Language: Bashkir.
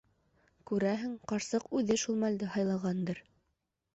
Күрәһең, ҡарсыҡ үҙе шул мәлде һайлағандыр.